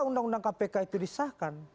undang undang kpk itu disahkan